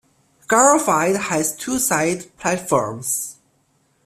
Garfield has two side platforms.